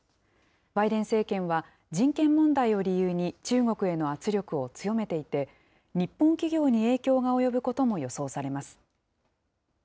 バイデン政権は、人権問題を理由に、中国への圧力を強めていて、日本企業に影響が及ぶことも予想されます。